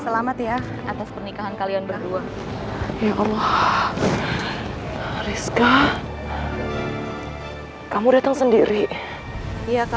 selamat ya atas pernikahan kalian berdua ya allah rizka kamu datang sendiri iya kak